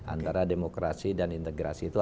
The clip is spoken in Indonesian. antara demokrasi dan integrasi itu